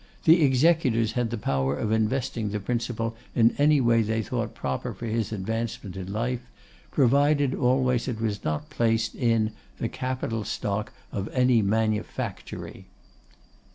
The executors had the power of investing the principal in any way they thought proper for his advancement in life, provided always it was not placed in 'the capital stock of any manufactory.